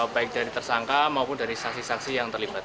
baik dari tersangka maupun dari saksi saksi yang terlibat